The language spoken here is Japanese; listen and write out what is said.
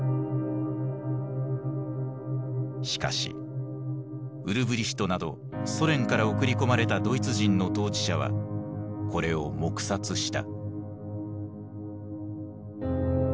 しかしウルブリヒトなどソ連から送り込まれたドイツ人の統治者はこれを黙殺した。